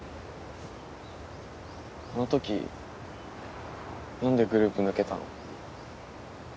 あの時何でグループ抜けたの？